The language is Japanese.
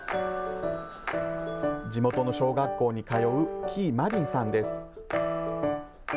地元の小学校に通う喜井舞凛さんです。